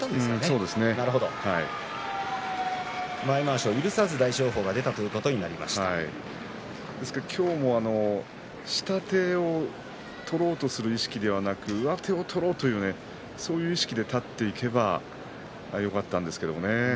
そこで前まわしを許さず大翔鵬がですから今日も下手を取ろうとする意識ではなくて上手を取ろうという意識で立っていけばよかったんですけれどもね。